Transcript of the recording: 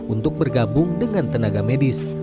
untuk bergabung dengan tenaga medis